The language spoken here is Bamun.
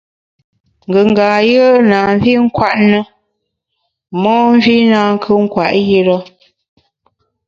Ngùnga yùe na mvi nkwet na, momvi nankù nkwet yire.